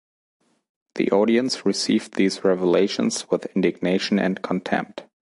The audience received these revelations with indignation and contempt.